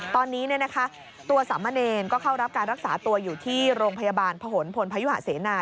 ตอนนี้ตัวสามเณรก็เข้ารับการรักษาตัวอยู่ที่โรงพยาบาลผนพลพยุหะเสนา